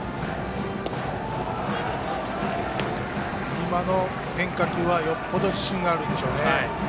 今の変化球はよっぽど自信があるんでしょうね。